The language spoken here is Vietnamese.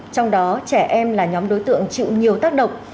trong đó trẻ em là nhóm đối tượng chịu nhiều tác động